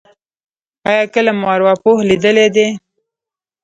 ایا کله مو ارواپوه لیدلی دی؟